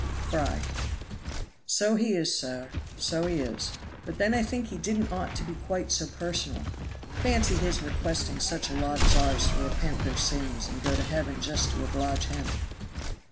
Fry. So he is, sir. So he is. But then I think he didn't ought to be quite so personal. Fancy his requesting such a lot as ours to repent their sins and go to heaven just to oblige him.